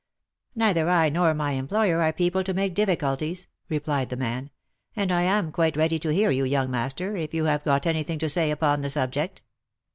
—" Neither I nor my employer are people to make difficulties," replied the man; " and I am quite ready to hear you, young master, if you have got any thing to say upon the subject."